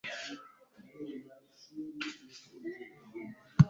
Ntidushobora kugenda kugeza Trix na Mukandoli bageze hano